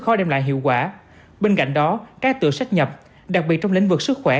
khó đem lại hiệu quả bên cạnh đó các tựa sách nhập đặc biệt trong lĩnh vực sức khỏe